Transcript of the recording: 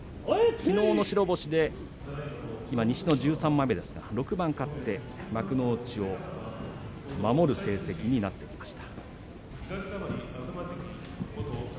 きのうの白星で今、西の１３枚目ですので６番勝って幕内を守る成績になってきました。